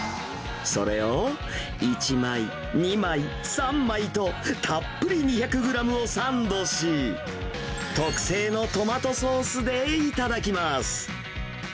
それを、１枚、２枚、３枚と、たっぷり２００グラムをサンドし、特製のトマトソースで頂きます。